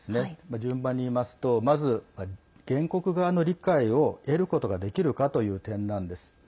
順番に言いますとまず、原告側の理解を得ることができるかという点なんです。